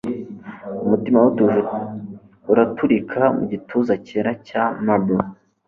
Umutima we utuje uraturika mu gituza cyera cya marble